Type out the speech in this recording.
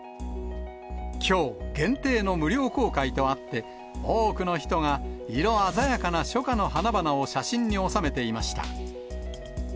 きょう限定の無料公開とあって、多くの人が、色鮮やかな初夏の花々を写真に収めていました。